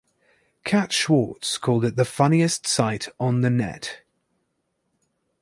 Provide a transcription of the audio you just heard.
Cat Schwartz called it the "Funniest Site on the Net".